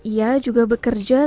ia juga bekerja